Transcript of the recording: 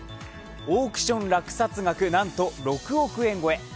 オークション落札額なんと６億円超え。